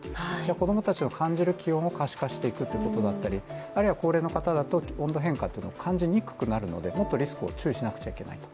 子供たちが感じる気温を可視化していくということだったりあるいは高齢の方だと温度変化というものを感じにくくなるのでもっとリスクを注意しなくちゃいけないと。